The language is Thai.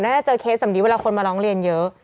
น่าจะเจอเคสแบบนี้เวลาคนมาร้องเรียนเยอะ